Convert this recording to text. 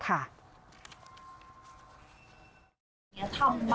ทีมข่าวของไทยรัฐทีวีติดต่อไปที่คุณมาดีพัฒนนนทนันหรือคุณกิ๊บค่ะ